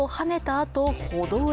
あと歩道へ。